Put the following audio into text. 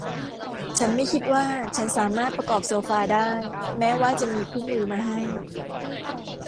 ฉันไม่คิดว่าฉันสามารถประกอบโซฟาได้ แม้ว่าจะมีคู่มือมาให้